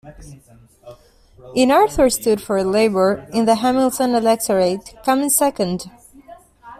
In Arthur stood for Labour in the Hamilton electorate, coming second.